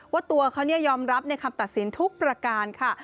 ว่าตัวเขายอมรับในคำตัดสินทุกประการค่ะ